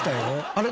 あれ？